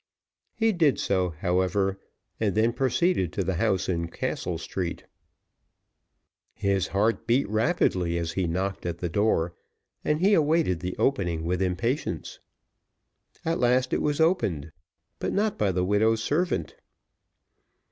He did so, however, and then proceeded to the house in Castle Street. His heart beat rapidly as he knocked at the door, and he awaited the opening with impatience. At last it was opened, but not by the widow's servant.